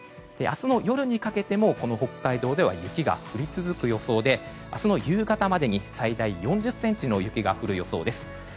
明日の夜にかけても北海道では雪が降り続く予想で明日の夕方までに最大４０ｃｍの雪が降る予想です。